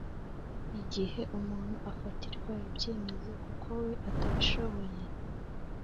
igihe umuntu afatirwa ibyemezo kuko we atabishoboye,